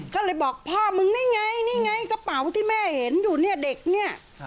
ก็เลยบอกพ่อมึงนี่ไงนี่ไงกระเป๋าที่แม่เห็นอยู่เนี่ยเด็กเนี่ย